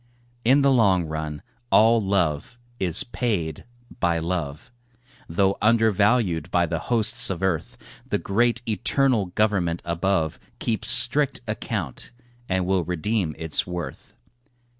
In the long run all love is paid by love, Though undervalued by the hosts of earth; The great eternal Government above Keeps strict account and will redeem its worth.